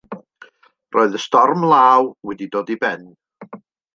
Roedd y storm law wedi dod i ben.